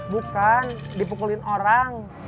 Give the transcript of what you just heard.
bukan dipukulin orang